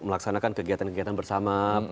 melaksanakan kegiatan kegiatan bersama